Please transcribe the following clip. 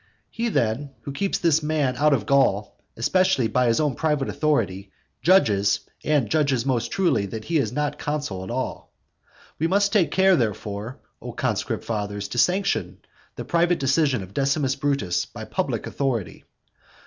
He, then, who keeps this man out of Gaul, especially by his own private authority, judges, and judges most truly, that he is not consul at all. We must take care, therefore, O conscript fathers, to sanction the private decision of Decimus Brutus by public authority.